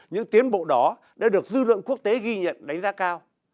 những tiến bộ đó đã được dư luận quốc tế ghi nhận đánh giá cao